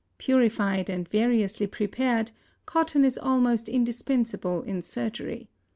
Purified and variously prepared, cotton is almost indispensable in surgery.